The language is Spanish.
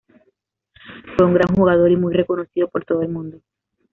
Fue un gran jugador y muy reconocido por todo el mundo.